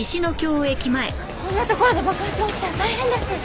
こんなところで爆発が起きたら大変です。